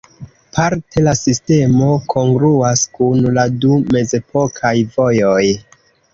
Parte la sistemo kongruas kun la du mezepokaj vojoj.